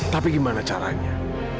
tapi gimana caranya